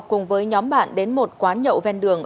cùng với nhóm bạn đến một quán nhậu ven đường